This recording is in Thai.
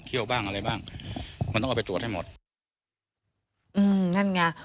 บ้างอะไรบ้างมันต้องเอาไปตรวจให้หมดอืมนั่นไง